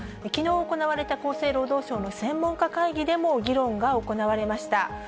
きのう行われた厚生労働省の専門家会議でも議論が行われました。